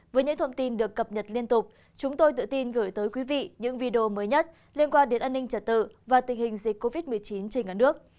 với những thông tin được cập nhật liên tục chúng tôi tự tin gửi tới quý vị những video mới nhất liên quan đến an ninh trật tự và tình hình dịch covid một mươi chín trên cả nước